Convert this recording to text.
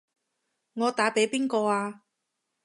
我打畀邊個啊？